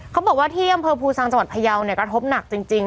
เขาบอกว่าที่อำเภอภูซังจังหวัดพยาวเนี่ยกระทบหนักจริง